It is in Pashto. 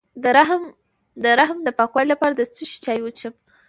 د رحم د پاکوالي لپاره د څه شي چای وڅښم؟